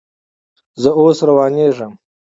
زه اوس روانېږم